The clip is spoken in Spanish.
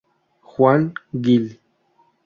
Juan Gil".